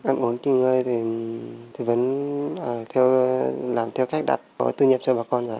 ăn uống khi ngơi thì vẫn làm theo cách đặt có tư nhiệm cho bà con rồi